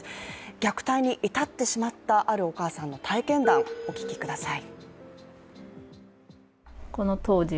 虐待に至ってしまった、あるお母さんの体験談をお聞きください。